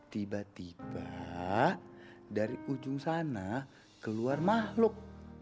tiba tiba dari ujung sana keluar makhluk